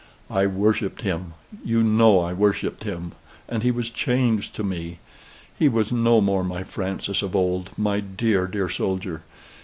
I worshipped him: you know I worshipped him and he was changed to me. He was no more my Francis of old my dear, dear soldier.